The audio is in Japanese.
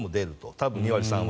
多分２割３割